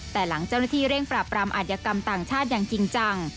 แต่หลังเจ้าหน้าที่เร่งปราบรามอาธิกรรมต่างชาติอย่างจริงจัง